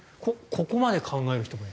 ここまで考える人も。